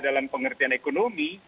dalam pengertian ekonomi